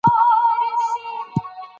استادان د خوشبینۍ خبره کوي.